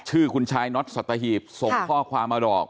ชื่อคุณชายน็อตสัตหีบส่งข้อความมาบอก